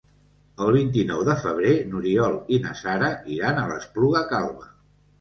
El vint-i-nou de febrer n'Oriol i na Sara iran a l'Espluga Calba.